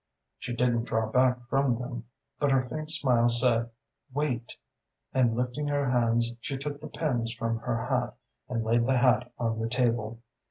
"She didn't draw back from them, but her faint smile said, 'Wait,' and lifting her hands she took the pins from her hat, and laid the hat on the table.